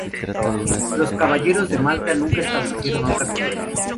Los Caballeros de Malta nunca establecieron otra colonia.